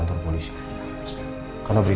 untuk dirlibat dengan kerja l lama